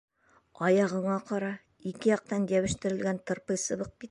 — Аяғыңа ҡара, ике яҡтан йәбештерелгән тырпый сыбыҡ бит!